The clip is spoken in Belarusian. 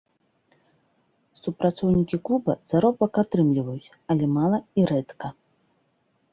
Супрацоўнікі клуба заробак атрымліваюць, але мала і рэдка.